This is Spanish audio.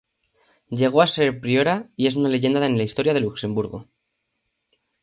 Llegó a ser priora y es una leyenda en la historia de Luxemburgo.